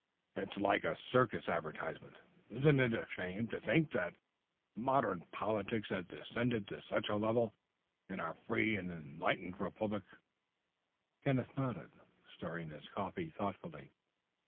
It's like a circus advertisement. Isn't it a shame to think that modern politics has descended to such a level in our free and enlightened republic?" Kenneth nodded, stirring his coffee thoughtfully.